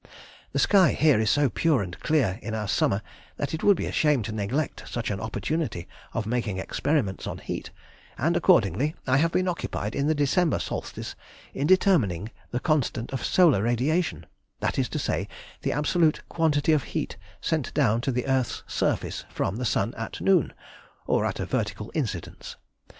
The sky here is so pure and clear in our summer that it would be a shame to neglect such an opportunity of making experiments on heat, and accordingly I have been occupied in the December solstice in determining the constant of solar radiation, that is to say, the absolute quantity of heat sent down to the earth's surface from the sun at noon, or at a vertical incidence.